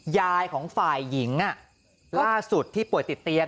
ยายของฝ่ายหญิงล่าสุดที่ป่วยติดเตียง